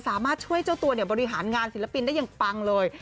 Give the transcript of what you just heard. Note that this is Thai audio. สามารถช่วยเจ้าตัวเนี่ยบริหารงานศิลปินได้อย่างปังเลย